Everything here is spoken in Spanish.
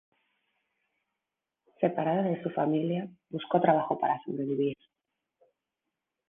Separada de su familia buscó trabajo para sobrevivir.